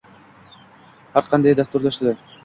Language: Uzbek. Har qaysi dasturlash tili